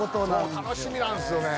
楽しみなんすよね。